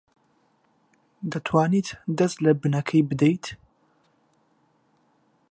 دەتوانیت دەست لە بنەکەی بدەیت؟